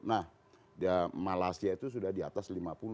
nah malaysia itu sudah di atas lima puluh